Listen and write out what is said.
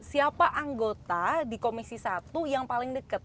siapa anggota di komisi satu yang paling dekat